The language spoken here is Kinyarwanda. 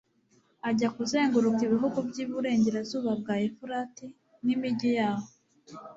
ajya kuzenguruka ibihugu by'iburengerazuba bwa efurati n'imigi yahoo